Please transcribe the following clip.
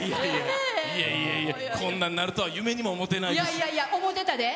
いやいや、こんなんなるとは夢にも思ってなかったです。